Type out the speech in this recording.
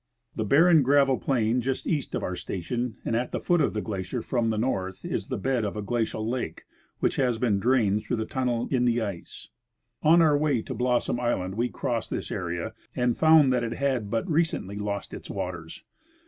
The barren gravel plain just east of our station, and at the foot of the glacier from the north, is the bed of a glacial lake which has been drained through the tunnel in the ice. On our way to Blossom island we crossed this area and found that it had but recently lost its waters.